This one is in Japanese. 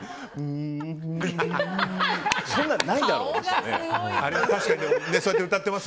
そんなのないだろって。